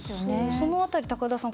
その辺り、高田さん